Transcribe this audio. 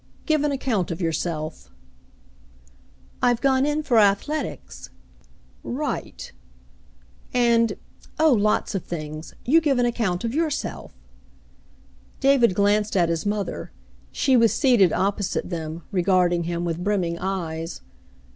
"Give an account of yourself." "I've gone in for athletics,'* 228 The Mountain Girl "Right." "And — Oh ! lots of things. You give an account of yourself." David glanced at his mother. She was seated opposite them, regarding him with brimming eyes.